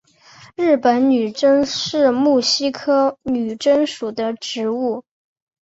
日本女贞是木犀科女贞属的植物。